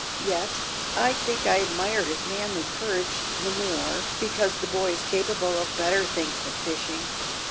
Yet I think I admire his manly courage the more because the boy is capable of better things than fishing.